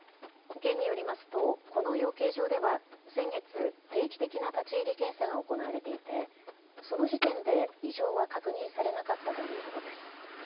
県によりますと、この養鶏場では先月、定期的な立ち入り検査が行われていてその時点で異常は確認されなかったということです。